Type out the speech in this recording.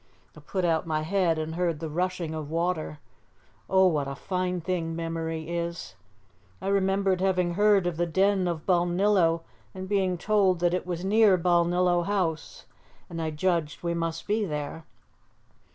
I put out my head and heard the rushing of water. Oh, what a fine thing memory is! I remembered having heard of the Den of Balnillo and being told that it was near Balnillo house, and I judged we must be there.